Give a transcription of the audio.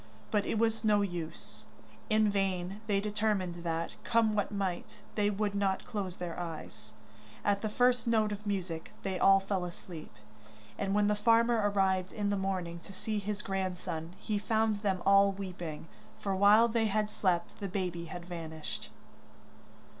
But it was no use. In vain they determined that, come what might, they would not close their eyes; at the first note of music they all fell asleep, and when the farmer arrived in the morning to see his grandson, he found them all weeping, for while they had slept the baby had vanished.